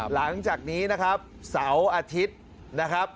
หลังจากนี้นะครับเสาร์อาทิตย์นะครับ